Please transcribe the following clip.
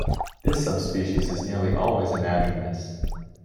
This subspecies is nearly always anadromous.